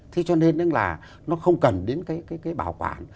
thế cho nên là nó không cần đến cái bảo quản